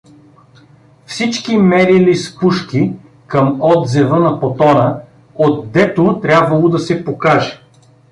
Всички мерили с пушки към отзева на потона, отдето трябвало да се покаже.